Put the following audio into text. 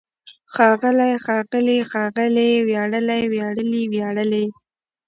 ښاغلی، ښاغلي، ښاغلې! وياړلی، وياړلي، وياړلې!